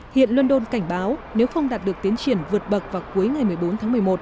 hiện london cảnh báo nếu không đạt được tiến triển vượt bậc vào cuối ngày một mươi bốn tháng một mươi một